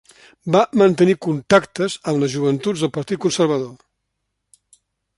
Va mantenir contactes amb les joventuts del Partit Conservador.